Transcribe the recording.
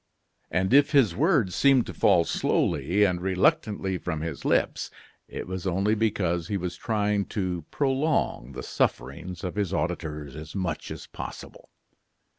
And if his words seemed to fall slowly and reluctantly from his lips, it was only because he was trying to prolong the sufferings of his auditors as much as possible.